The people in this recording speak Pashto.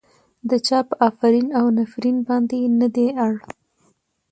د چا په افرین او نفرين باندې نه دی اړ.